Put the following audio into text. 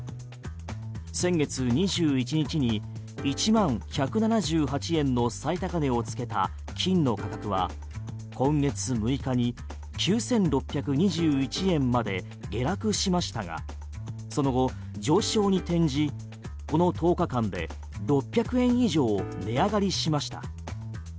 先月２１日に１万１７８円の最高値をつけた金の価格は今月６日に９６２１円まで下落しましたがその後、上昇に転じこの１０日間で６００円以上値上がりしました。